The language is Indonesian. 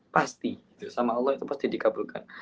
pasti sama allah itu pasti dikabulkan